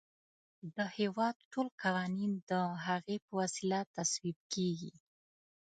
د هیواد ټول قوانین د هغې په وسیله تصویب کیږي.